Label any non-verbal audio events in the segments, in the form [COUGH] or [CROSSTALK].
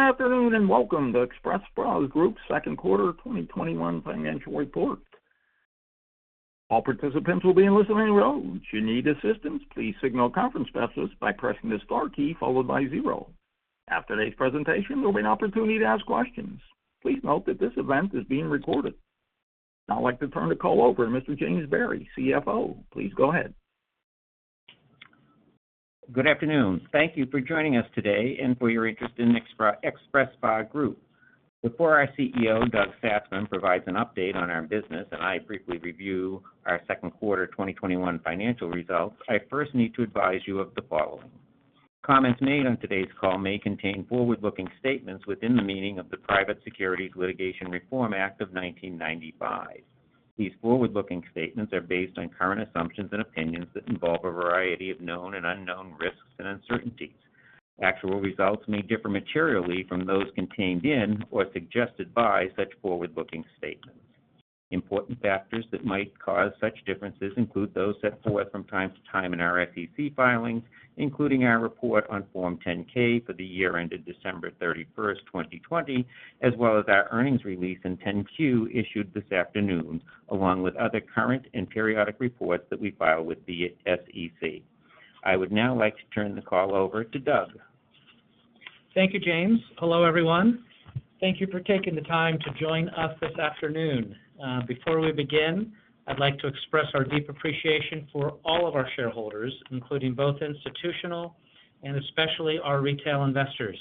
Good afternoon, and welcome to XpresSpa Group's second quarter 2021 financial report. All participants will be in listen-only mode. If you need assistance, please signal conference staff by pressing the star key followed by zero. After today's presentation, there will be an opportunity to ask questions. Please note that this event is being recorded. Now I'd like to turn the call over to Mr. James Berry, CFO. Please go ahead. Good afternoon. Thank you for joining us today and for your interest in XpresSpa Group. Before our CEO, Doug Satzman, provides an update on our business, and I briefly review our second quarter 2021 financial results, I first need to advise you of the following. Comments made on today's call may contain forward-looking statements within the meaning of the Private Securities Litigation Reform Act of 1995. These forward-looking statements are based on current assumptions and opinions that involve a variety of known and unknown risks and uncertainties. Actual results may differ materially from those contained in or suggested by such forward-looking statements. Important factors that might cause such differences include those set forth from time to time in our SEC filings, including our report on Form 10-K for the year ended December 31st, 2020, as well as our earnings release and 10-Q issued this afternoon, along with other current and periodic reports that we file with the SEC. I would now like to turn the call over to Doug. Thank you, James. Hello, everyone. Thank you for taking the time to join us this afternoon. Before we begin, I'd like to express our deep appreciation for all of our shareholders, including both institutional and especially our retail investors,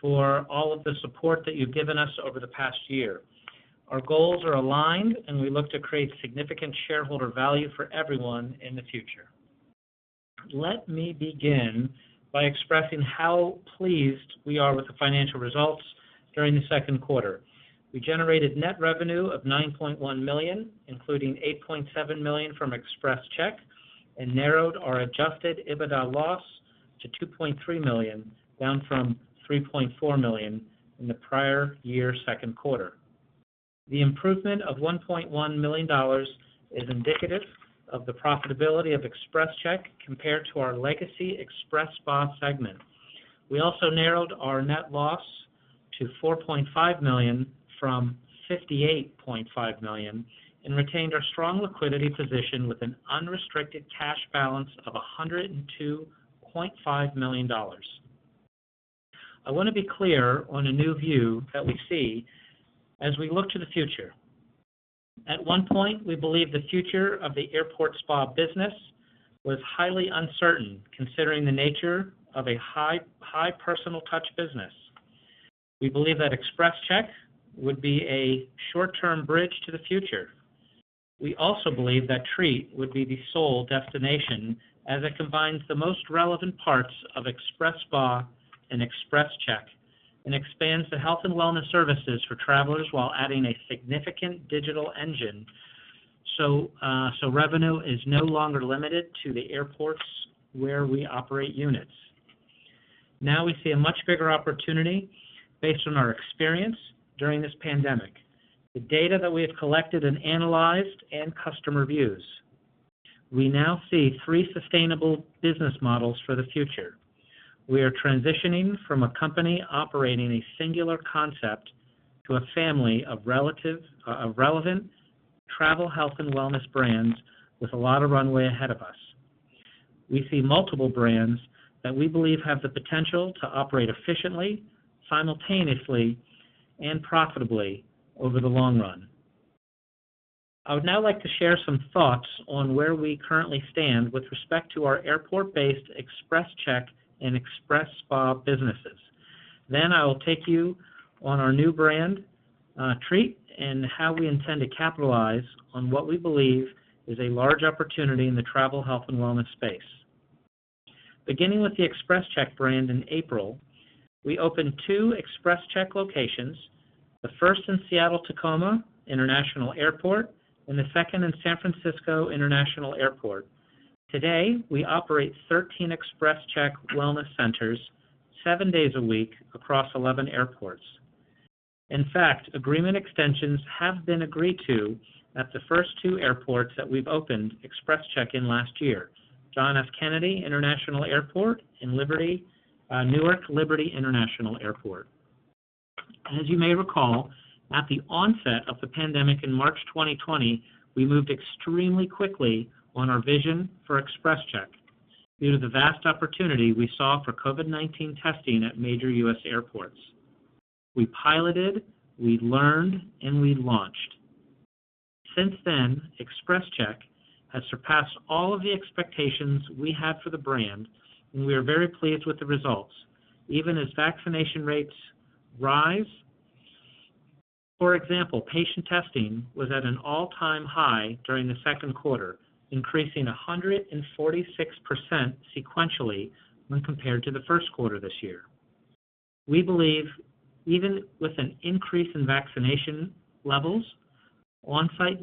for all of the support that you've given us over the past year. Our goals are aligned, and we look to create significant shareholder value for everyone in the future. Let me begin by expressing how pleased we are with the financial results during the second quarter. We generated net revenue of $9.1 million, including $8.7 million from XpresCheck, and narrowed our adjusted EBITDA loss to $2.3 million, down from $3.4 million in the prior year second quarter. The improvement of $1.1 million is indicative of the profitability of XpresCheck compared to our legacy XpresSpa segment. We also narrowed our net loss to $4.5 million from $58.5 million and retained our strong liquidity position with an unrestricted cash balance of $102.5 million. I want to be clear on a new view that we see as we look to the future. At one point, we believed the future of the airport spa business was highly uncertain, considering the nature of a high personal touch business. We believed that XpresCheck would be a short-term bridge to the future. We also believed that Treat would be the sole destination as it combines the most relevant parts of XpresSpa and XpresCheck and expands the health and wellness services for travelers while adding a significant digital engine so revenue is no longer limited to the airports where we operate units. Now we see a much bigger opportunity based on our experience during this pandemic, the data that we have collected and analyzed, and customer views. We now see three sustainable business models for the future. We are transitioning from a company operating a singular concept to a family of relevant travel health and wellness brands with a lot of runway ahead of us. We see multiple brands that we believe have the potential to operate efficiently, simultaneously, and profitably over the long run. I would now like to share some thoughts on where we currently stand with respect to our airport-based XpresCheck and XpresSpa businesses. I will take you on our new brand, Treat, and how we intend to capitalize on what we believe is a large opportunity in the travel health and wellness space. Beginning with the XpresCheck brand in April, we opened two XpresCheck locations, the first in Seattle-Tacoma International Airport and the second in San Francisco International Airport. Today, we operate 13 XpresCheck wellness centers, seven days a week, across 11 airports. In fact, agreement extensions have been agreed to at the first two airports that we've opened XpresCheck in last year, John F. Kennedy International Airport and Newark Liberty International Airport. As you may recall, at the onset of the pandemic in March 2020, we moved extremely quickly on our vision for XpresCheck due to the vast opportunity we saw for COVID-19 testing at major U.S. airports. We piloted, we learned, and we launched. Since then, XpresCheck has surpassed all of the expectations we had for the brand, and we are very pleased with the results, even as vaccination rates rise. For example, patient testing was at an all-time high during the second quarter, increasing 146% sequentially when compared to the first quarter this year. We believe even with an increase in vaccination levels, on-site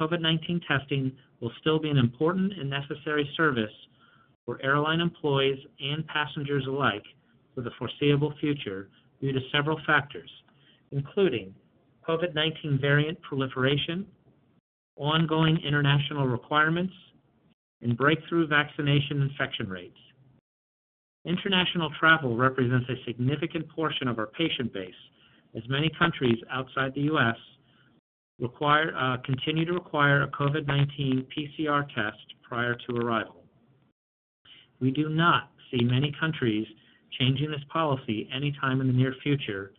COVID-19 testing will still be an important and necessary service for airline employees and passengers alike for the foreseeable future due to several factors, including COVID-19 variant proliferation, ongoing international requirements, and breakthrough vaccination infection rates. International travel represents a significant portion of our patient base, as many countries outside the U.S. continue to require a COVID-19 PCR test prior to arrival. We do not see many countries changing this policy anytime in the near future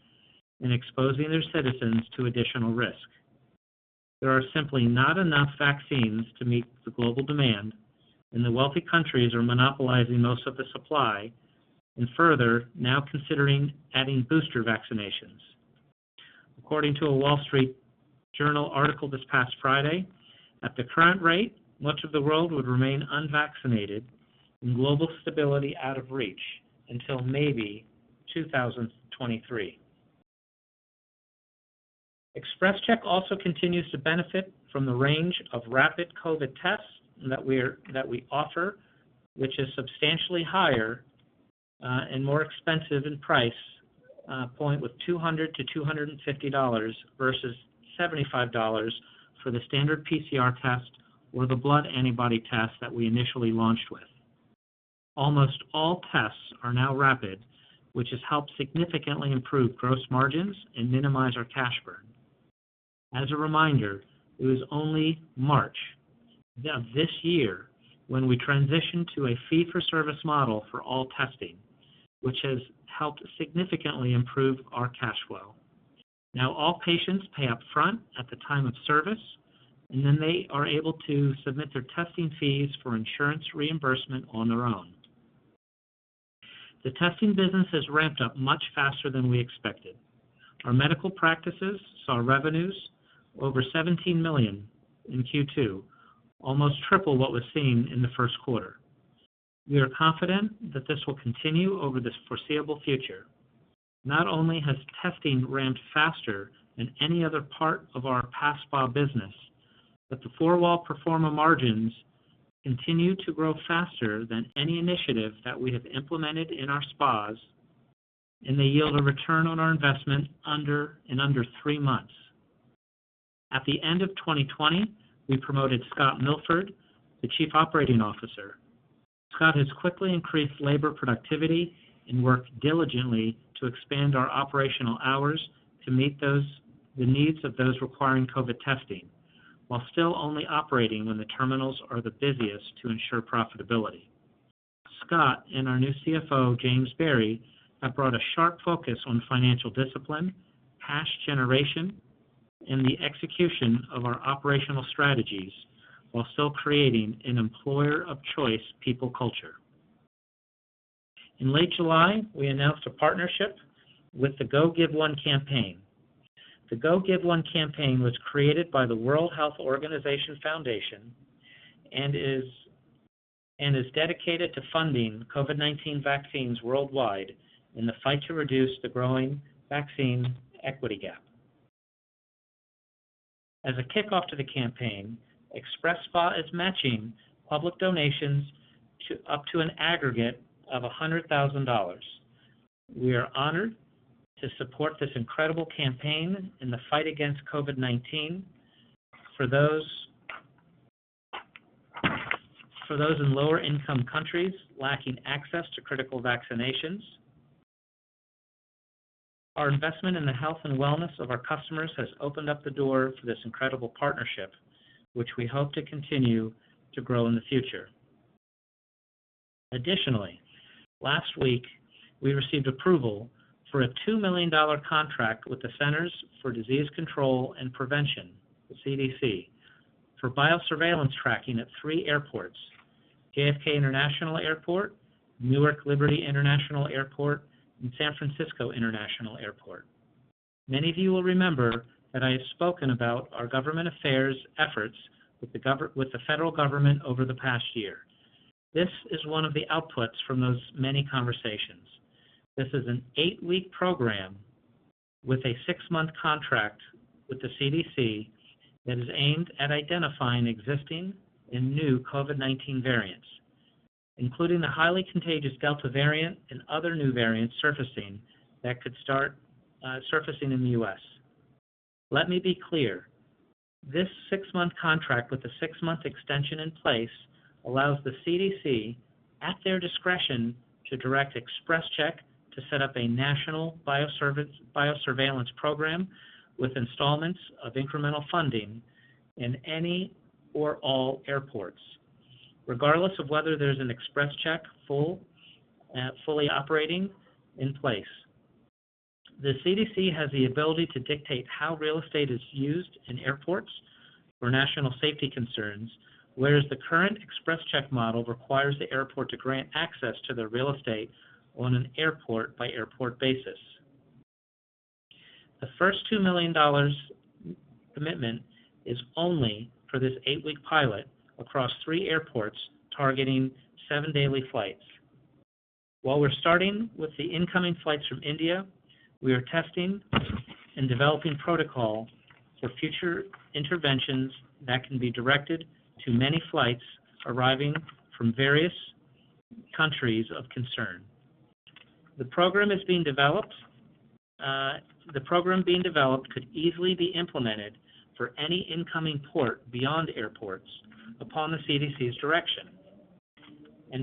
and exposing their citizens to additional risk. There are simply not enough vaccines to meet the global demand, and the wealthy countries are monopolizing most of the supply, and further, now considering adding booster vaccinations. According to a Wall Street Journal article this past Friday, at the current rate, much of the world would remain unvaccinated and global stability out of reach until maybe 2023. XpresCheck also continues to benefit from the range of rapid COVID tests that we offer, which is substantially higher and more expensive in price point with $200-$250 versus $75 for the standard PCR test or the blood antibody test that we initially launched with. Almost all tests are now rapid, which has helped significantly improve gross margins and minimize our cash burn. As a reminder, it was only March of this year when we transitioned to a fee-for-service model for all testing, which has helped significantly improve our cash flow. Now, all patients pay upfront at the time of service, and then they are able to submit their testing fees for insurance reimbursement on their own. The testing business has ramped up much faster than we expected. Our medical practices saw revenues over $17 million in Q2, almost triple what was seen in the first quarter. We are confident that this will continue over this foreseeable future. Not only has testing ramped faster than any other part of our XpresSpa business, but the four-wall pro forma margins continue to grow faster than any initiative that we have implemented in our spas, and they yield a return on our investment in under three months. At the end of 2020, we promoted Scott Milford to Chief Operating Officer. Scott has quickly increased labor productivity and worked diligently to expand our operational hours to meet the needs of those requiring COVID testing while still only operating when the terminals are the busiest to ensure profitability. Scott and our new CFO, James Berry, have brought a sharp focus on financial discipline, cash generation, and the execution of our operational strategies while still creating an employer of choice people culture. In late July, we announced a partnership with the Go Give One campaign. The Go Give One campaign was created by the World Health Organization Foundation and is dedicated to funding COVID-19 vaccines worldwide in the fight to reduce the growing vaccine equity gap. As a kickoff to the campaign, XpresSpa is matching public donations up to an aggregate of $100,000. We are honored to support this incredible campaign in the fight against COVID-19 for those in lower income countries lacking access to critical vaccinations. Our investment in the health and wellness of our customers has opened up the door for this incredible partnership, which we hope to continue to grow in the future. Additionally, last week, we received approval for a $2 million contract with the Centers for Disease Control and Prevention, the CDC, for biosurveillance tracking at three airports, JFK International Airport, Newark Liberty International Airport, and San Francisco International Airport. Many of you will remember that I have spoken about our government affairs efforts with the federal government over the past year. This is one of the outputs from those many conversations. This is an eight-week program with a six-month contract with the CDC that is aimed at identifying existing and new COVID-19 variants, including the highly contagious Delta variant and other new variants surfacing that could start surfacing in the U.S. Let me be clear. This six-month contract with a six-month extension in place allows the CDC, at their discretion, to direct XpresCheck to set up a national biosurveillance program with installments of incremental funding in any or all airports, regardless of whether there's an XpresCheck fully operating in place. The CDC has the ability to dictate how real estate is used in airports for national safety concerns, whereas the current XpresCheck model requires the airport to grant access to the real estate on an airport-by-airport basis. The first $2 million commitment is only for this eight-week pilot across three airports targeting seven daily flights. While we're starting with the incoming flights from India, we are testing and developing protocol for future interventions that can be directed to many flights arriving from various countries of concern. The program being developed could easily be implemented for any incoming port beyond airports upon the CDC's direction.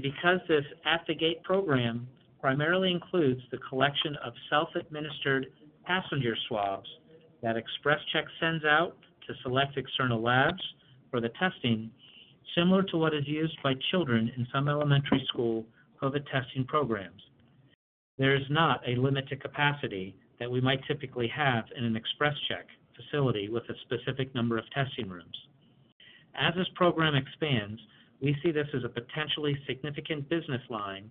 Because this At the Gate program primarily includes the collection of self-administered passenger swabs that XpresCheck sends out to select external labs for the testing, similar to what is used by children in some elementary school COVID testing programs, there is not a limited capacity that we might typically have in an XpresCheck facility with a specific number of testing rooms. As this program expands, we see this as a potentially significant business line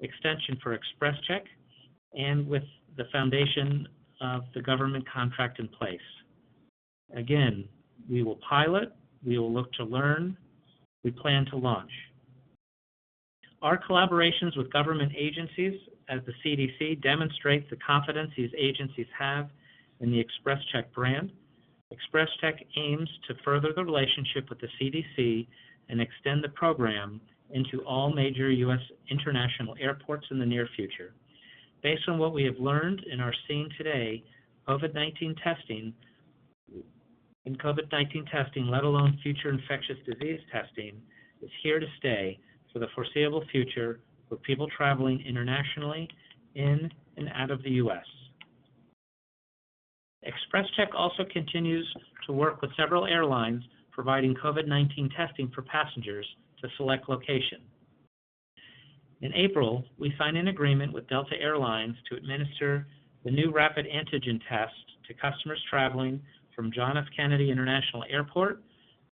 extension for XpresCheck, and with the foundation of the government contract in place. Again, we will pilot, we will look to learn, we plan to launch. Our collaborations with government agencies as the CDC demonstrate the confidence these agencies have in the XpresCheck brand. XpresCheck aims to further the relationship with the CDC and extend the program into all major U.S. International Airports in the near future. Based on what we have learned and are seeing today, COVID-19 testing, let alone future infectious disease testing, is here to stay for the foreseeable future for people traveling internationally in and out of the U.S. XpresCheck also continues to work with several airlines, providing COVID-19 testing for passengers to select location. In April, we signed an agreement with Delta Air Lines to administer the new rapid antigen test to customers traveling from John F. Kennedy International Airport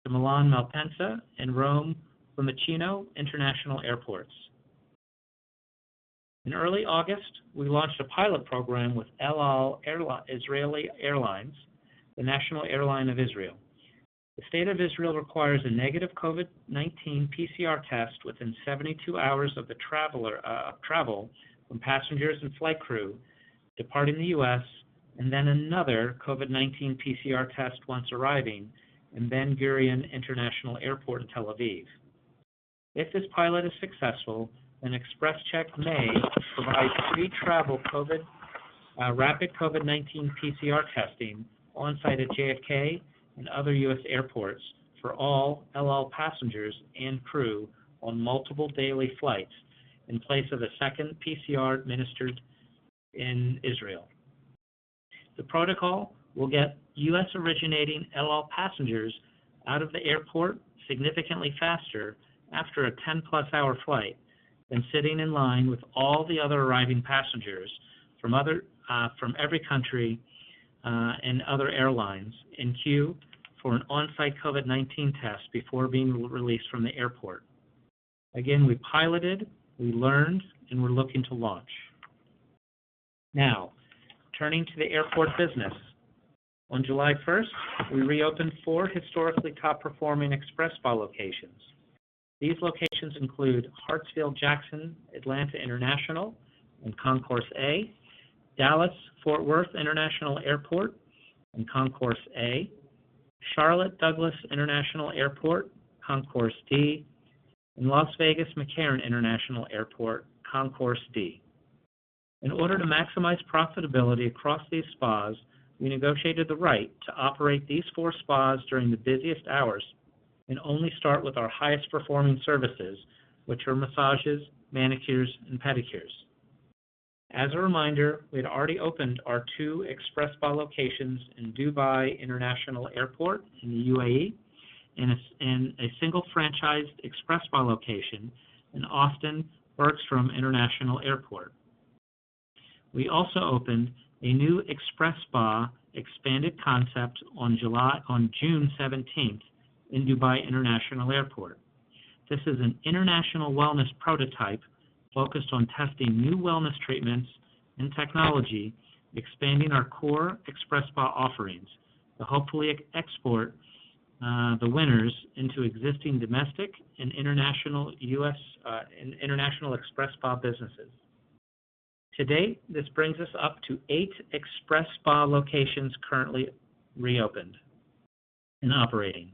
to Milan Malpensa and Rome Fiumicino International Airports. In early August, we launched a pilot program with El Al Israel Airlines, the national airline of Israel. The state of Israel requires a negative COVID-19 PCR test within 72 hours of travel from passengers and flight crew departing the U.S., and then another COVID-19 PCR test once arriving in Ben Gurion International Airport in Tel Aviv. If this pilot is successful, then XpresCheck may provide pre-travel rapid COVID-19 PCR testing on-site at JFK and other U.S. airports for all El Al passengers and crew on multiple daily flights in place of a second PCR administered in Israel. The protocol will get U.S.-originating El Al passengers out of the airport significantly faster after a 10+ hour flight than sitting in line with all the other arriving passengers from every country, and other airlines in queue for an on-site COVID-19 test before being released from the airport. Again, we piloted, we learned, and we're looking to launch. Now, turning to the airport business. On July 1st, we reopened four historically top-performing XpresSpa locations. These locations include Hartsfield-Jackson Atlanta International in Concourse A, Dallas Fort Worth International Airport in Concourse A, Charlotte Douglas International Airport, Concourse D, and Las Vegas McCarran International Airport, Concourse D. In order to maximize profitability across these spas, we negotiated the right to operate these four spas during the busiest hours and only start with our highest performing services, which are massages, manicures, and pedicures. As a reminder, we had already opened our two XpresSpa locations in Dubai International Airport in the U.A.E., and a one franchised XpresSpa location in Austin-Bergstrom International Airport. We also opened a new XpresSpa expanded concept on June 17th in Dubai International Airport. This is an international wellness prototype focused on testing new wellness treatments and technology, expanding our core XpresSpa offerings to hopefully export the winners into existing domestic and international U.S., and international XpresSpa businesses. To date, this brings us up to eight XpresSpa locations currently reopened and operating.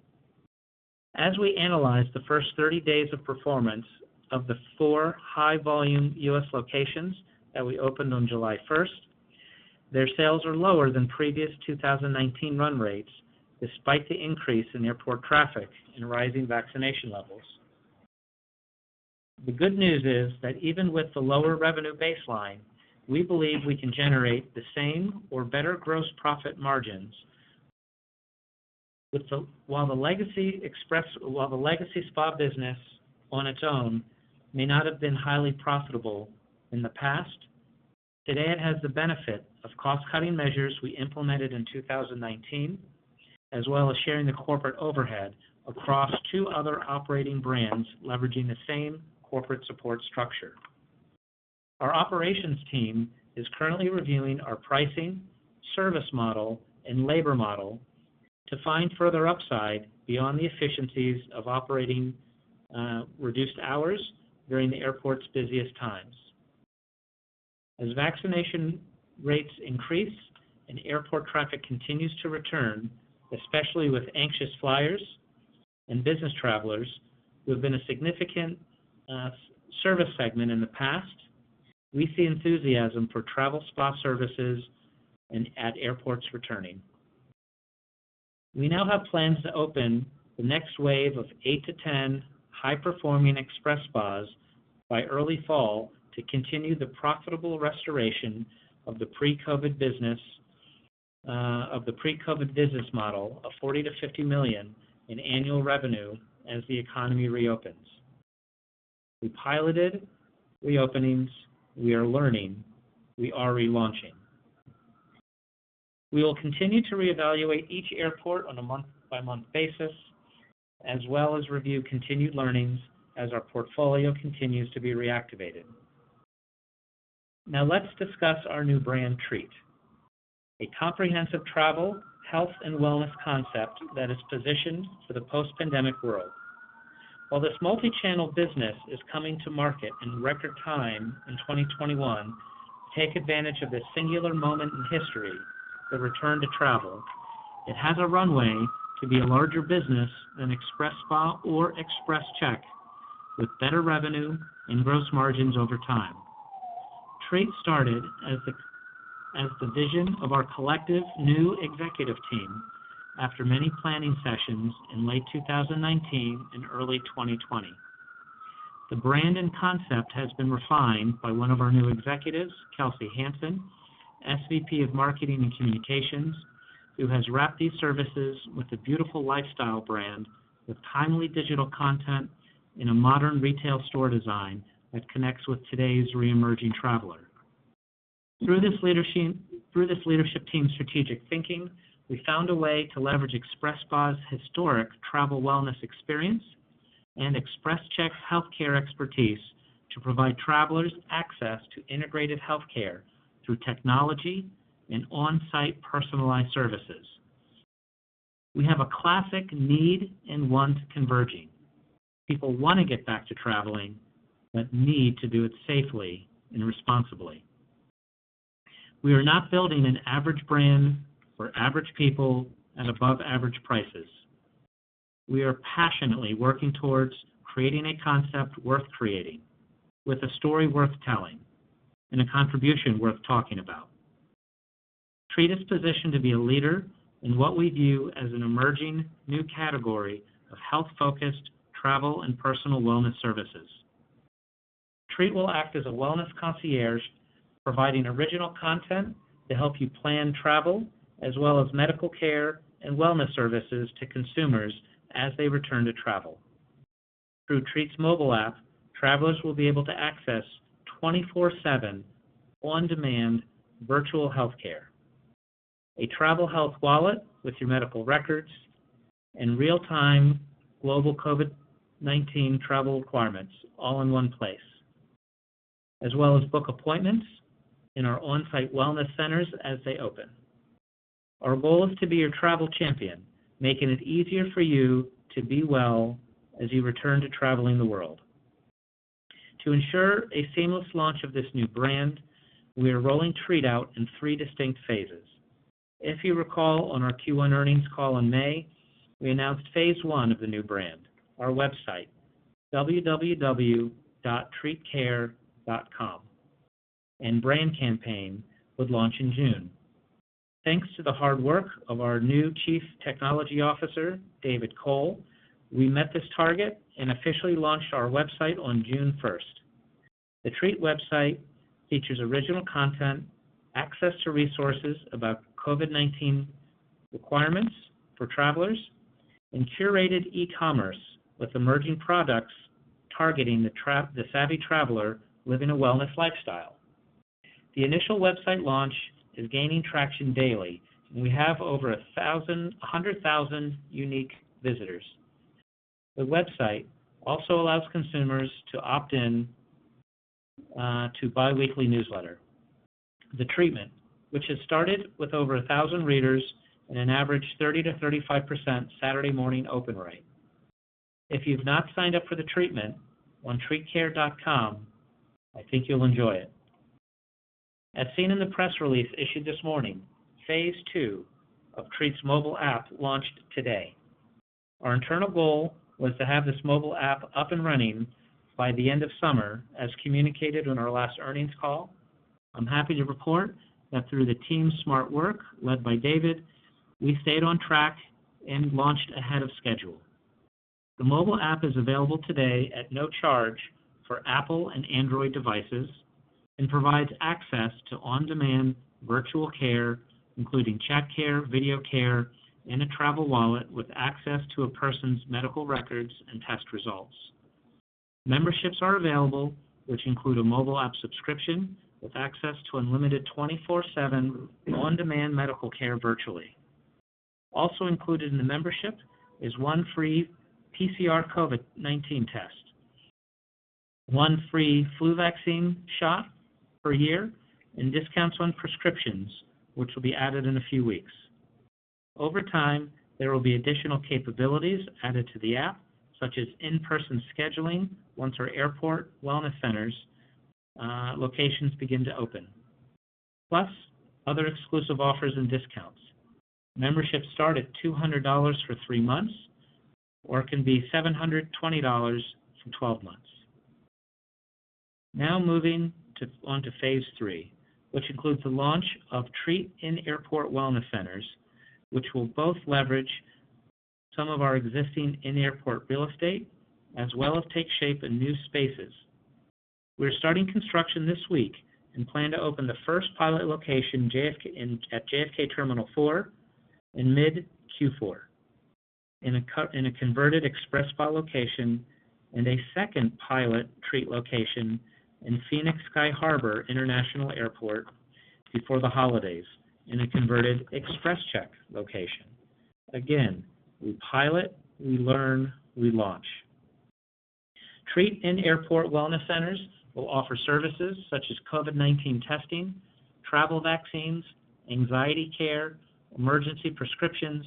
As we analyze the first 30 days of performance of the four high-volume U.S. locations that we opened on July 1st, their sales are lower than previous 2019 run rates, despite the increase in airport traffic and rising vaccination levels. The good news is that even with the lower revenue baseline, we believe we can generate the same or better gross profit margins. While the legacy spa business on its own may not have been highly profitable in the past, today it has the benefit of cost-cutting measures we implemented in 2019, as well as sharing the corporate overhead across two other operating brands, leveraging the same corporate support structure. Our operations team is currently reviewing our pricing, service model, and labor model to find further upside beyond the efficiencies of operating reduced hours during the airport's busiest times. As vaccination rates increase and airport traffic continues to return, especially with anxious flyers and business travelers who have been a significant service segment in the past, we see enthusiasm for travel spa services and at airports returning. We now have plans to open the next wave of 8-10 high-performing XpresSpas by early fall to continue the profitable restoration of the pre-COVID business model of $40 million-$50 million in annual revenue as the economy reopens. We piloted reopenings. We are learning. We are relaunching. We will continue to reevaluate each airport on a month-by-month basis, as well as review continued learnings as our portfolio continues to be reactivated. Let's discuss our new brand, Treat, a comprehensive travel, health, and wellness concept that is positioned for the post-pandemic world. While this multi-channel business is coming to market in record time in 2021, take advantage of this singular moment in history, the return to travel. It has a runway to be a larger business than XpresSpa or XpresCheck with better revenue and gross margins over time. Treat started as the vision of our collective new executive team after many planning sessions in late 2019 and early 2020. The brand and concept has been refined by one of our new executives, Kelsey Hanson, SVP of Marketing and Communications, who has wrapped these services with a beautiful lifestyle brand with timely digital content in a modern retail store design that connects with today's reemerging traveler. Through this leadership team's strategic thinking, we found a way to leverage XpresSpa's historic travel wellness experience and XpresCheck's healthcare expertise to provide travelers access to integrated healthcare through technology and on-site personalized services. We have a classic need and want converging. People want to get back to traveling but need to do it safely and responsibly. We are not building an average brand for average people at above-average prices. We are passionately working towards creating a concept worth creating with a story worth telling and a contribution worth talking about. Treat is positioned to be a leader in what we view as an emerging new category of health-focused travel and personal wellness services. Treat will act as a wellness concierge, providing original content to help you plan travel as well as medical care and wellness services to consumers as they return to travel. Through Treat's mobile app, travelers will be able to access 24/7 on-demand virtual healthcare, a travel health wallet with your medical records, and real-time global COVID-19 travel requirements all in one place, as well as book appointments in our on-site wellness centers as they open. Our goal is to be your travel champion, making it easier for you to be well as you return to traveling the world. To ensure a seamless launch of this new brand, we are rolling Treat out in three distinct phases. If you recall on our Q1 earnings call in May, we announced phase I of the new brand, our website, www.treatcare.com, and brand campaign would launch in June. Thanks to the hard work of our new chief technology officer, David Cole, we met this target and officially launched our website on June 1st. The Treat website features original content, access to resources about COVID-19 requirements for travelers, and curated e-commerce with emerging products targeting the savvy traveler living a wellness lifestyle. The initial website launch is gaining traction daily. We have over 100,000 unique visitors. The website also allows consumers to opt in to biweekly newsletter, The Treatment, which has started with over 1,000 readers and an average 30%-35% Saturday morning open rate. If you've not signed up for The Treatment on treatcare.com, I think you'll enjoy it. As seen in the press release issued this morning, phase II of Treat's mobile app launched today. Our internal goal was to have this mobile app up and running by the end of summer, as communicated on our last earnings call. I'm happy to report that through the team's smart work, led by David, we stayed on track and launched ahead of schedule. The mobile app is available today at no charge for Apple and Android devices and provides access to on-demand virtual care, including chat care, video care, and a travel wallet with access to a person's medical records and test results. Memberships are available, which include a mobile app subscription with access to unlimited 24/7 on-demand medical care virtually. Also included in the membership is one free PCR COVID-19 test, one free flu vaccine shot per year, and discounts on prescriptions, which will be added in a few weeks. Over time, there will be additional capabilities added to the app, such as in-person scheduling once our airport wellness centers locations begin to open. Plus other exclusive offers and discounts. Memberships start at $200 for three months, or it can be $720 for 12 months. Now moving on to phase III, which includes the launch of Treat in Airport wellness centers, which will both leverage some of our existing in-airport real estate, as well as take shape in new spaces. We are starting construction this week and plan to open the first pilot location at JFK Terminal four in mid Q4 in a converted XpresSpa location, and a second pilot Treat location in Phoenix Sky Harbor International Airport before the holidays in a converted XpresCheck location. Again, we pilot, we learn, we launch. Treat in Airport wellness centers will offer services such as COVID-19 testing, travel vaccines, anxiety care, emergency prescriptions,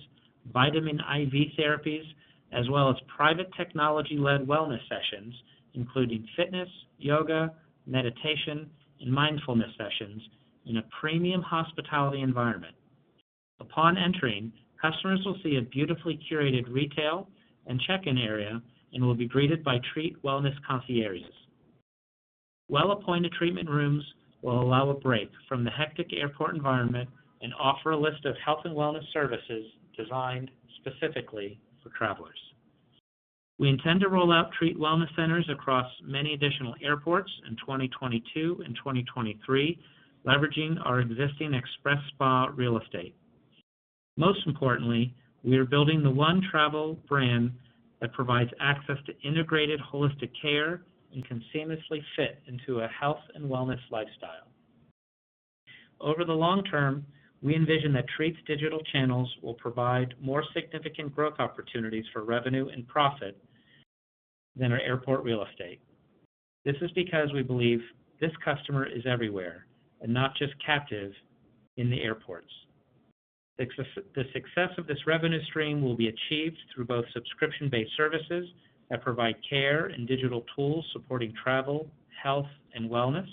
vitamin IV therapies, as well as private technology-led wellness sessions, including fitness, yoga, meditation, and mindfulness sessions in a premium hospitality environment. Upon entering, customers will see a beautifully curated retail and check-in area and will be greeted by Treat wellness concierges. Well-appointed treatment rooms will allow a break from the hectic airport environment and offer a list of health and wellness services designed specifically for travelers. We intend to roll out Treat wellness centers across many additional airports in 2022 and 2023, leveraging our existing XpresSpa real estate. Most importantly, we are building the one travel brand that provides access to integrated holistic care and can seamlessly fit into a health and wellness lifestyle. Over the long term, we envision that Treat's digital channels will provide more significant growth opportunities for revenue and profit than our airport real estate. This is because we believe this customer is everywhere and not just captive in the airports. The success of this revenue stream will be achieved through both subscription-based services that provide care and digital tools supporting travel, health, and wellness.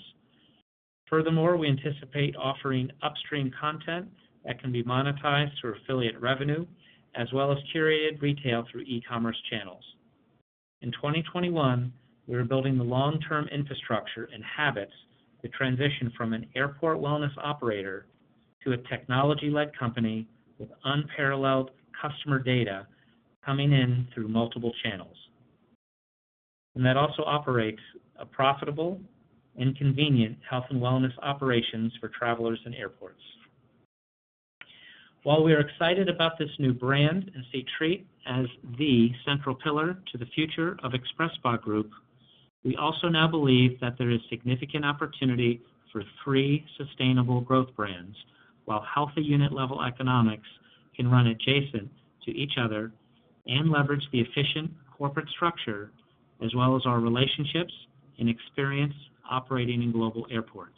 We anticipate offering upstream content that can be monetized through affiliate revenue, as well as curated retail through e-commerce channels. In 2021, we are building the long-term infrastructure and habits to transition from an airport wellness operator to a technology-led company with unparalleled customer data coming in through multiple channels. That also operates a profitable and convenient health and wellness operations for travelers in airports. While we are excited about this new brand and see Treat as the central pillar to the future of XpresSpa Group, we also now believe that there is significant opportunity for three sustainable growth brands, while healthy unit level economics can run adjacent to each other and leverage the efficient corporate structure, as well as our relationships and experience operating in global airports.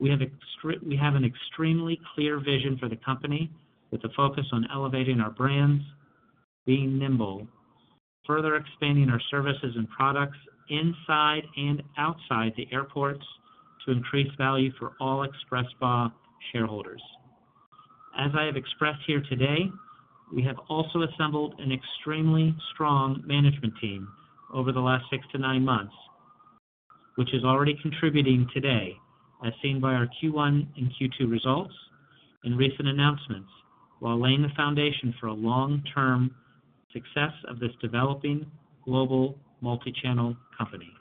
We have an extremely clear vision for the company, with a focus on elevating our brands, being nimble, further expanding our services and products inside and outside the airports to increase value for all XpresSpa shareholders. As I have expressed here today, we have also assembled an extremely strong management team over the last six to nine months, which is already contributing today, as seen by our Q1 and Q2 results and recent announcements, while laying the foundation for a long-term success of this developing global multi-channel company.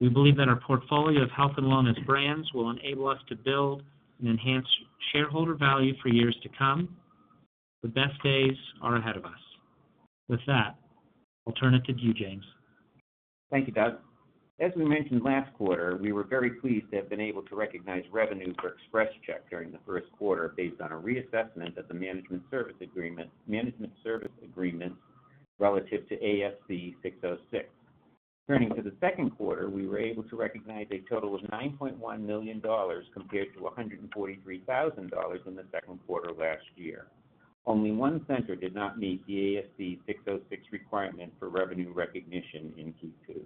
We believe that our portfolio of health and wellness brands will enable us to build and enhance shareholder value for years to come. The best days are ahead of us. With that, I'll turn it to you, James. Thank you, Doug. As we mentioned last quarter, we were very pleased to have been able to recognize revenue for XpresCheck during the first quarter based on a reassessment of the management service agreement relative to ASC 606. Turning to the second quarter, we were able to recognize a total of $9.1 million compared to $143,000 in the second quarter of last year. Only one center did not meet the ASC 606 requirement for revenue recognition in Q2.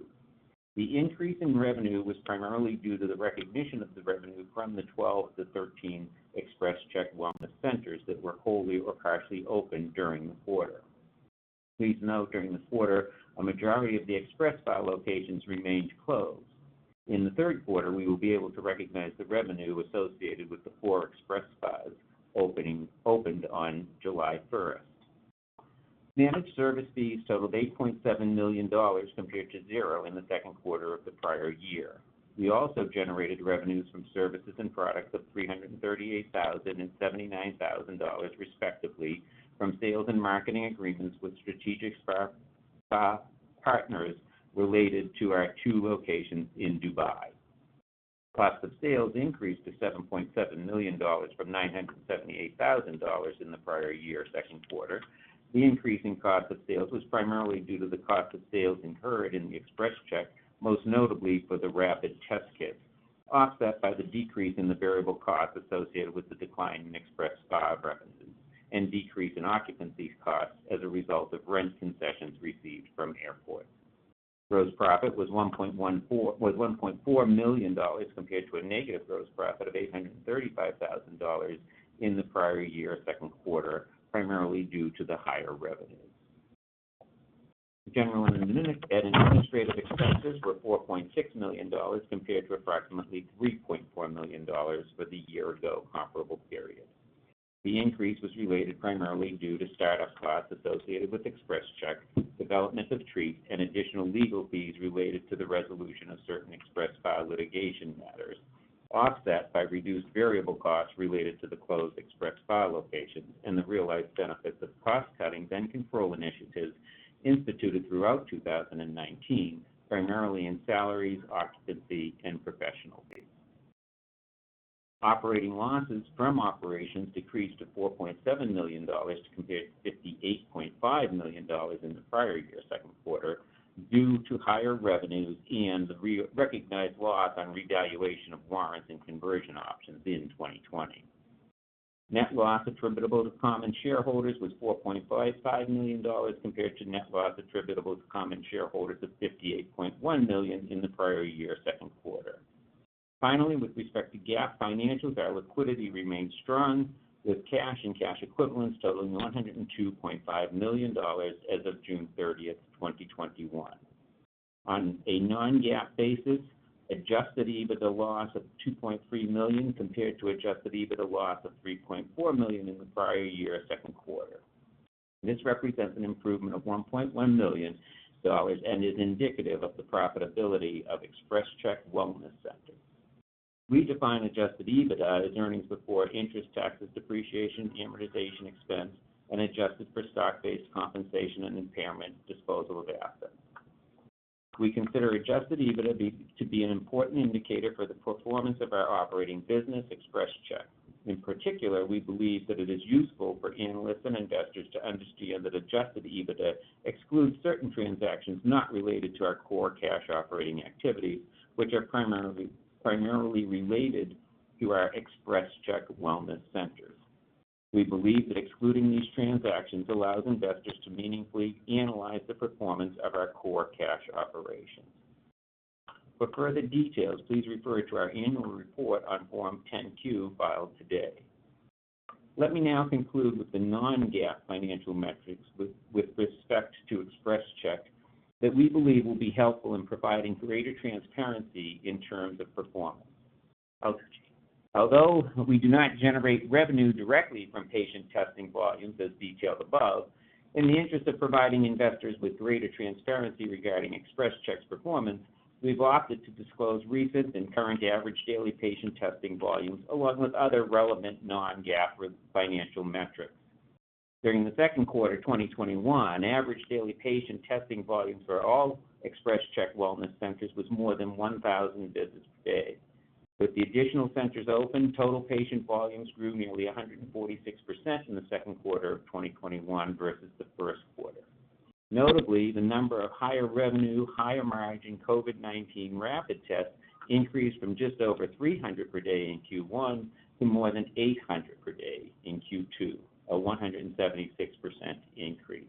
The increase in revenue was primarily due to the recognition of the revenue from the 12-13 XpresCheck wellness centers that were wholly or partially open during the quarter. Please note during the quarter, a majority of the XpresSpa locations remained closed. In the third quarter, we will be able to recognize the revenue associated with the four XpresSpas opened on July 1st. Managed service fees totaled $8.7 million compared to zero in the second quarter of the prior year. We also generated revenues from services and products of $338,000 and $79,000 respectively from sales and marketing agreements with strategic spa partners related to our two locations in Dubai. Cost of sales increased to $7.7 million from $978,000 in the prior year second quarter. The increase in cost of sales was primarily due to the cost of sales incurred in the XpresCheck, most notably for the rapid test kits, offset by the decrease in the variable costs associated with the decline in XpresSpa revenues and decrease in occupancies costs as a result of rent concessions received from airports. Gross profit was $1.4 million compared to a negative gross profit of $835,000 in the prior year second quarter, primarily due to the higher revenues. General and administrative expenses were $4.6 million compared to approximately $3.4 million for the year-ago comparable period. The increase was related primarily due to start-up costs associated with XpresCheck, development of Treat, and additional legal fees related to the resolution of certain XpresSpa litigation matters, offset by reduced variable costs related to the closed XpresSpa locations and the realized benefits of cost-cutting and control initiatives instituted throughout 2019, primarily in salaries, occupancy, and professional fees. Operating losses from operations decreased to $4.7 million to compare to $58.5 million in the prior year second quarter due to higher revenues and the recognized loss on revaluation of warrants and conversion options in 2020. Net loss attributable to common shareholders was $4.55 million compared to net loss attributable to common shareholders of $58.1 million in the prior year second quarter. Finally, with respect to GAAP financials, our liquidity remains strong, with cash and cash equivalents totaling $102.5 million as of June 30th, 2021. On a non-GAAP basis, adjusted EBITDA loss of $2.3 million compared to adjusted EBITDA loss of $3.4 million in the prior year second quarter. This represents an improvement of $1.1 million and is indicative of the profitability of XpresCheck Wellness Centers. We define adjusted EBITDA as earnings before interest, taxes, depreciation, amortization expense, and adjusted for stock-based compensation and impairment disposal of assets. We consider adjusted EBITDA to be an important indicator for the performance of our operating business, XpresCheck. In particular, we believe that it is useful for analysts and investors to understand that adjusted EBITDA excludes certain transactions not related to our core cash-operating activities, which are primarily related to our XpresCheck Wellness Centers. We believe that excluding these transactions allows investors to meaningfully analyze the performance of our core cash operations. For further details, please refer to our annual report on Form 10-Q filed today. Let me now conclude with the non-GAAP financial metrics with respect to XpresCheck that we believe will be helpful in providing greater transparency in terms of performance. Although we do not generate revenue directly from patient testing volumes, as detailed above, in the interest of providing investors with greater transparency regarding XpresCheck's performance, we've opted to disclose recent and current average daily patient testing volumes along with other relevant non-GAAP financial metrics. During the second quarter 2021, average daily patient testing volumes for all XpresCheck Wellness Centers was more than 1,000 visits per day. With the additional centers open, total patient volumes grew nearly 146% in the second quarter of 2021 versus the first quarter. Notably, the number of higher-revenue, higher-margin COVID-19 rapid tests increased from just over 300 per day in Q1 to more than 800 per day in Q2, a 176% increase.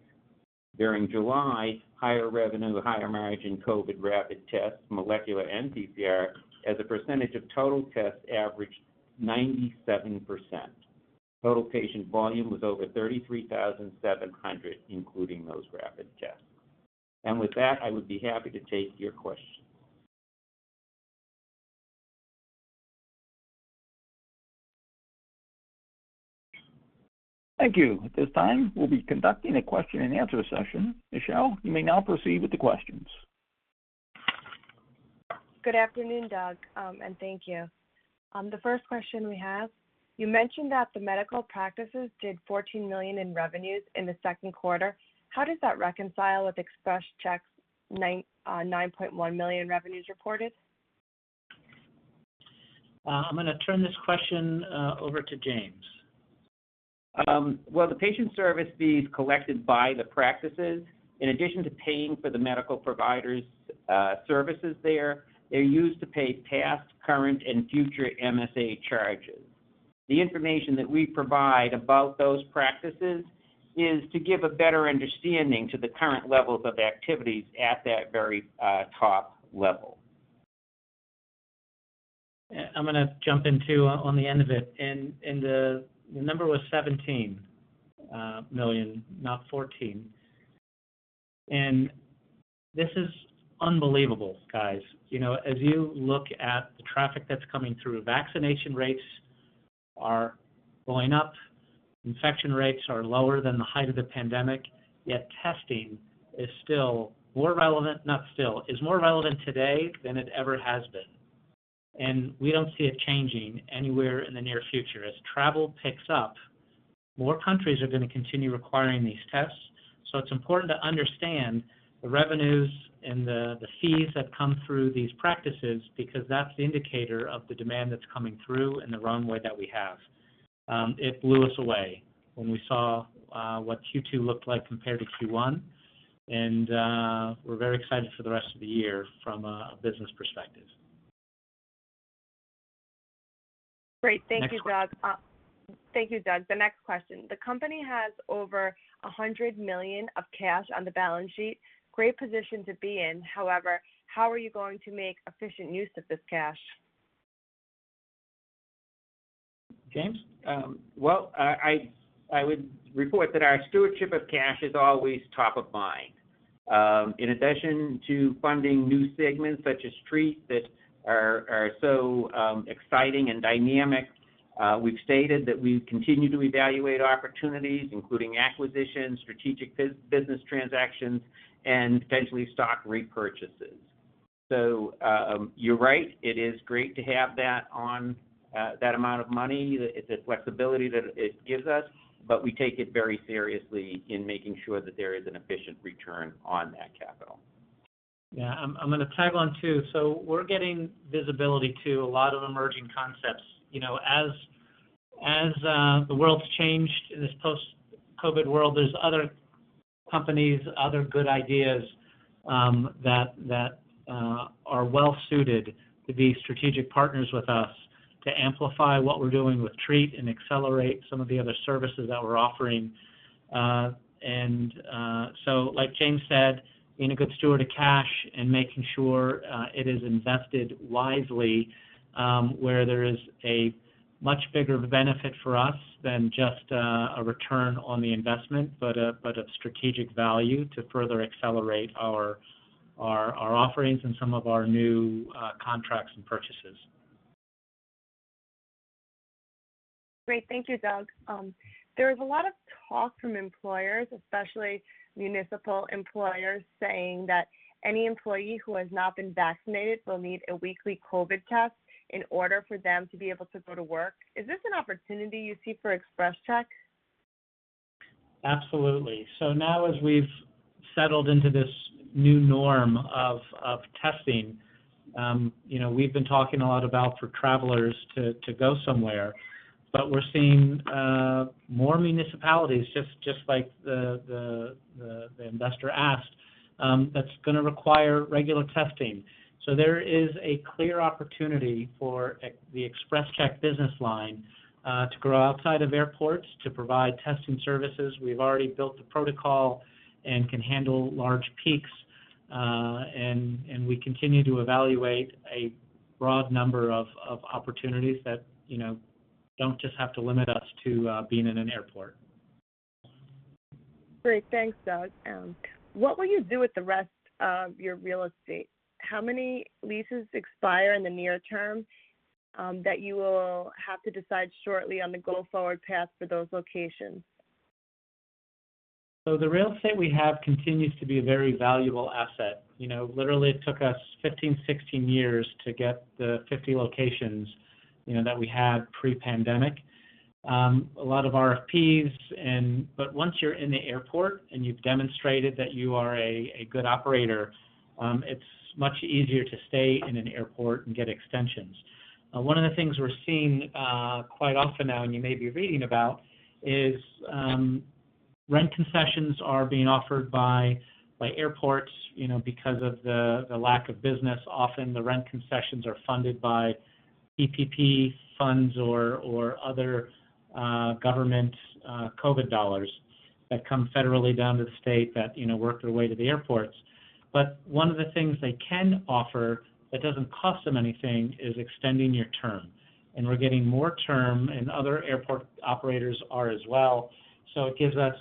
During July, higher-revenue, higher-margin COVID rapid tests, molecular and PCR, as a percentage of total tests averaged 97%. Total patient volume was over 33,700, including those rapid tests. With that, I would be happy to take your questions. Thank you. At this time, we'll be conducting a question and answer session. Michelle, you may now proceed with the questions. Good afternoon, Doug, and thank you. The first question we have, you mentioned that the medical practices did $14 million in revenues in the second quarter. How does that reconcile with XpresCheck's $9.1 million revenues reported? I'm going to turn this question over to James. Well, the patient service fees collected by the practices, in addition to paying for the medical providers' services there, they're used to pay past, current, and future MSA charges. The information that we provide about those practices is to give a better understanding to the current levels of activities at that very top level. I'm going to jump in too on the end of it. The number was $17 million, not $14 million. This is unbelievable, guys. As you look at the traffic that's coming through, vaccination rates are going up. Infection rates are lower than the height of the pandemic, yet testing is still more relevant— not still, is more relevant today than it ever has been. We don't see it changing anywhere in the near future. As travel picks up, more countries are going to continue requiring these tests. It's important to understand the revenues and the fees that come through these practices because that's the indicator of the demand that's coming through and the runway that we have. It blew us away when we saw what Q2 looked like compared to Q1. We're very excited for the rest of the year from a business perspective. Great. Thank you, Doug. [AUDIO DISTORTION] Thank you, Doug. The next question. The company has over $100 million of cash on the balance sheet. Great position to be in. However, how are you going to make efficient use of this cash? James? Well, I would report that our stewardship of cash is always top of mind. In addition to funding new segments such as Treat that are so exciting and dynamic, we've stated that we continue to evaluate opportunities, including acquisitions, strategic business transactions, and potentially stock repurchases. You're right, it is great to have that amount of money, the flexibility that it gives us, but we take it very seriously in making sure that there is an efficient return on that capital. Yeah, I'm gonna tag on, too. We're getting visibility to a lot of emerging concepts. As the world's changed in this post-COVID-19 world, there's other companies, other good ideas that are well-suited to be strategic partners with us to amplify what we're doing with Treat and accelerate some of the other services that we're offering. Like James said, being a good steward of cash and making sure it is invested wisely, where there is a much bigger benefit for us than just a return on the investment, but a strategic value to further accelerate our offerings and some of our new contracts and purchases. Great. Thank you, Doug. There is a lot of talk from employers, especially municipal employers, saying that any employee who has not been vaccinated will need a weekly COVID-19 test in order for them to be able to go to work. Is this an opportunity you see for XpresCheck? Absolutely. Now as we've settled into this new norm of testing, we've been talking a lot about for travelers to go somewhere, but we're seeing more municipalities, just like the investor asked, that's gonna require regular testing. There is a clear opportunity for the XpresCheck business line to grow outside of airports to provide testing services. We've already built the protocol and can handle large peaks, we continue to evaluate a broad number of opportunities that don't just have to limit us to being in an airport. Great. Thanks, Doug. What will you do with the rest of your real estate? How many leases expire in the near term that you will have to decide shortly on the go-forward path for those locations? The real estate we have continues to be a very valuable asset. Literally, it took us 15, 16 years to get the 50 locations that we had pre-pandemic. A lot of RFPs, but once you're in the airport and you've demonstrated that you are a good operator, it's much easier to stay in an airport and get extensions. One of the things we're seeing quite often now, and you may be reading about, is rent concessions are being offered by airports because of the lack of business. Often, the rent concessions are funded by PPP funds or other government COVID dollars that come federally down to the state that work their way to the airports. One of the things they can offer that doesn't cost them anything is extending your term, and we're getting more term, and other airport operators are as well. It gives us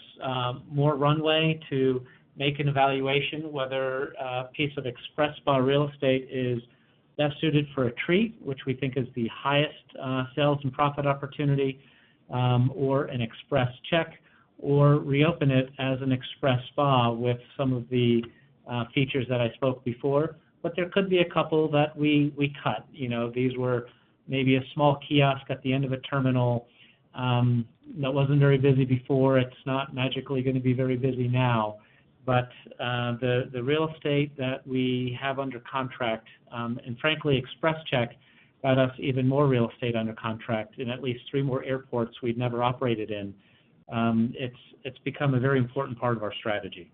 more runway to make an evaluation whether a piece of XpresSpa real estate is best suited for a Treat, which we think is the highest sales and profit opportunity, or an XpresCheck, or reopen it as an XpresSpa with some of the features that I spoke before. There could be a couple that we cut. These were maybe a small kiosk at the end of a terminal that wasn't very busy before. It's not magically gonna be very busy now. The real estate that we have under contract, and frankly, XpresCheck got us even more real estate under contract in at least three more airports we'd never operated in. It's become a very important part of our strategy.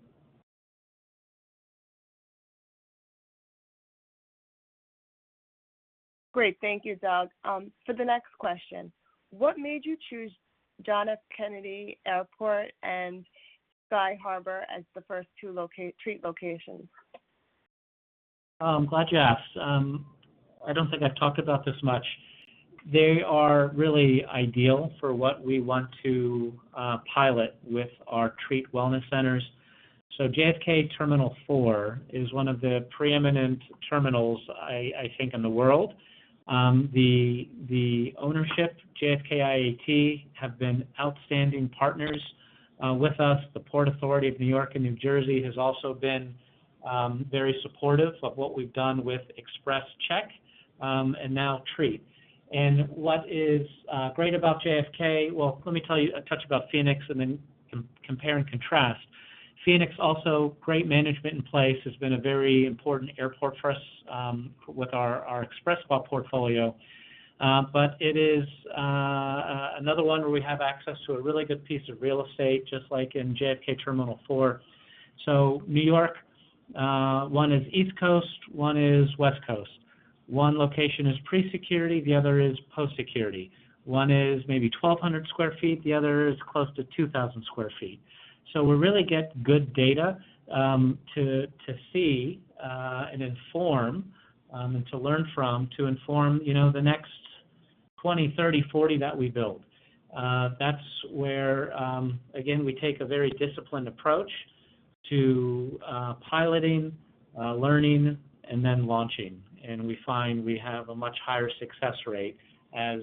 Great. Thank you, Doug. For the next question, what made you choose John F. Kennedy Airport and Sky Harbor as the first two Treat locations? I'm glad you asked. I don't think I've talked about this much. They are really ideal for what we want to pilot with our Treat wellness centers. JFK Terminal four is one of the preeminent terminals, I think, in the world. The ownership, JFKIAT, have been outstanding partners with us. The Port Authority of New York and New Jersey has also been very supportive of what we've done with XpresCheck, and now Treat. What is great about JFK-- Well, let me tell you a touch about Phoenix and then compare and contrast. Phoenix also, great management in place, has been a very important airport for us with our XpresSpa portfolio. It is another one where we have access to a really good piece of real estate, just like in JFK Terminal four. New York, one is East Coast, one is West Coast. One location is pre-security, the other is post-security. One is maybe 1,200 sq ft, the other is close to 2,000 sq ft. We really get good data to see and to learn from, to inform the next 20, 30, 40 that we build. That's where, again, we take a very disciplined approach to piloting, learning, and then launching. We find we have a much higher success rate as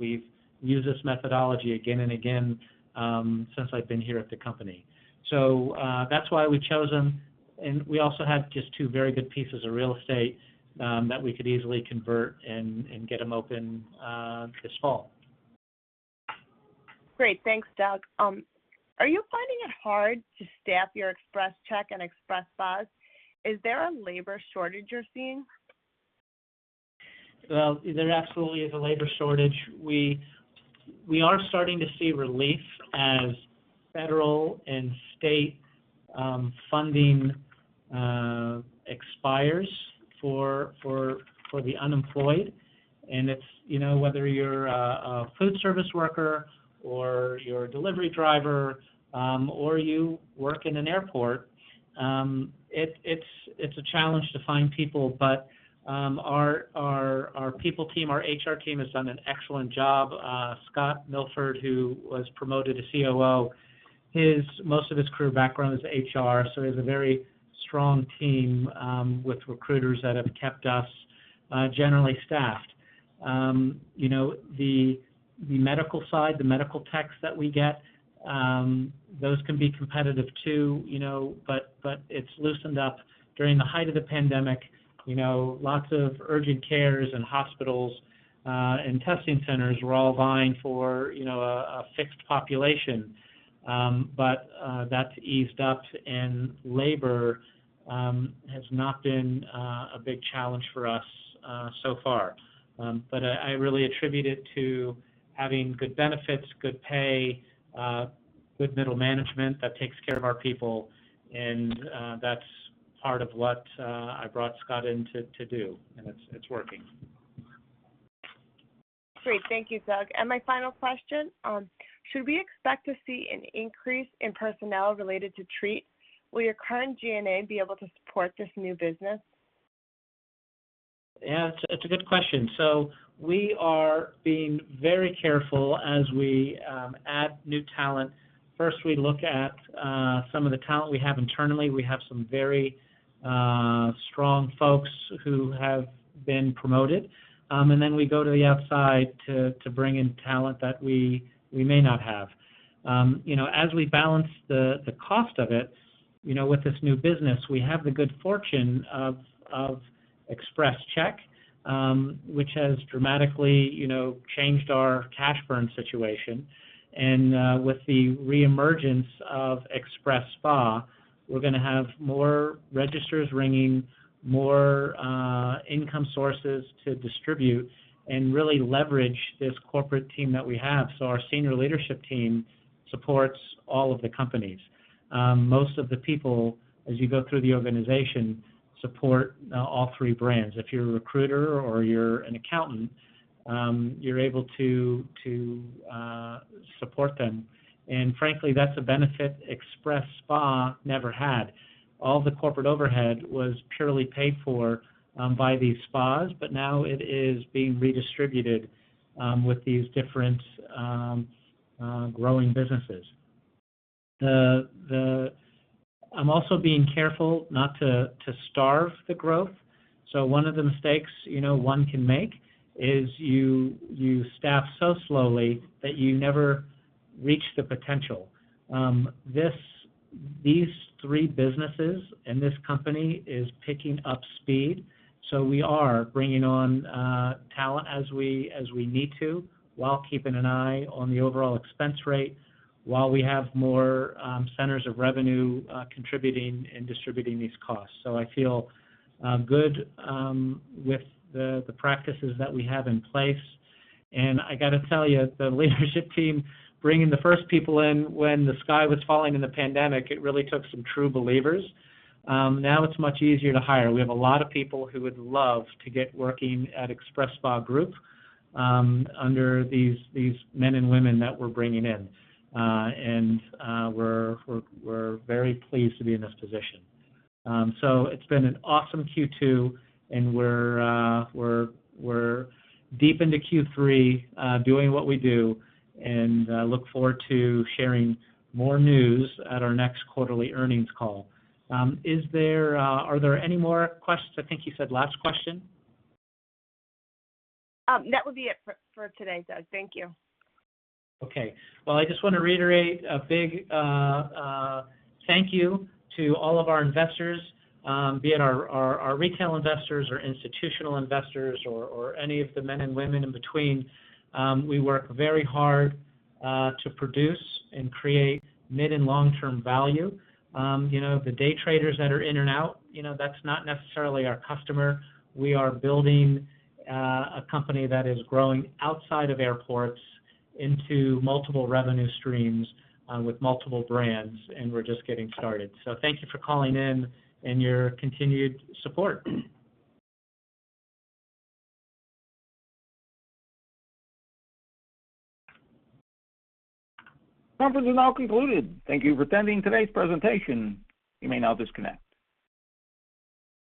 we've used this methodology again and again since I've been here at the company. That's why we chose them, and we also have just two very good pieces of real estate that we could easily convert and get them open this fall. Great. Thanks, Doug. Are you finding it hard to staff your XpresCheck and XpresSpas? Is there a labor shortage you're seeing? Well, there absolutely is a labor shortage. We are starting to see relief as federal and state funding expires for the unemployed, and whether you're a food service worker or you're a delivery driver, or you work in an airport it's a challenge to find people. Our people team, our HR team, has done an excellent job. Scott Milford, who was promoted to COO, most of his career background is HR, so he has a very strong team with recruiters that have kept us generally staffed. The medical side, the medical techs that we get, those can be competitive too, but it's loosened up. During the height of the pandemic, lots of urgent cares and hospitals and testing centers were all vying for a fixed population. That's eased up, and labor has not been a big challenge for us so far. I really attribute it to having good benefits, good pay, good middle management that takes care of our people, and that's part of what I brought Scott in to do, and it's working. Great. Thank you, Doug. My final question, should we expect to see an increase in personnel related to Treat? Will your current G&A be able to support this new business? Yeah, it's a good question. We are being very careful as we add new talent. First, we look at some of the talent we have internally. We have some very strong folks who have been promoted. Then we go to the outside to bring in talent that we may not have. As we balance the cost of it with this new business, we have the good fortune of XpresCheck, which has dramatically changed our cash burn situation. With the reemergence of XpresSpa, we're going to have more registers ringing, more income sources to distribute, and really leverage this corporate team that we have. Our senior leadership team supports all of the companies. Most of the people, as you go through the organization, support all three brands. If you're a recruiter or you're an accountant, you're able to support them. Frankly, that's a benefit XpresSpa never had. All the corporate overhead was purely paid for by these spas, but now it is being redistributed with these different growing businesses. I'm also being careful not to starve the growth. One of the mistakes one can make is you staff so slowly that you never reach the potential. These three businesses and this company is picking up speed, so we are bringing on talent as we need to, while keeping an eye on the overall expense rate, while we have more centers of revenue contributing and distributing these costs. I feel good with the practices that we have in place. I got to tell you, the leadership team, bringing the first people in when the sky was falling in the pandemic, it really took some true believers. Now it's much easier to hire. We have a lot of people who would love to get working at XpresSpa Group under these men and women that we're bringing in. We're very pleased to be in this position. It's been an awesome Q2, and we're deep into Q3 doing what we do, and look forward to sharing more news at our next quarterly earnings call. Are there any more questions? I think you said last question. That would be it for today, Doug. Thank you. Okay. Well, I just want to reiterate a big thank you to all of our investors, be it our retail investors or institutional investors or any of the men and women in between. We work very hard to produce and create mid and long-term value. The day traders that are in and out, that's not necessarily our customer. We are building a company that is growing outside of airports into multiple revenue streams with multiple brands, and we're just getting started. Thank you for calling in and your continued support. Conference is now concluded. Thank you for attending today's presentation. You may now disconnect.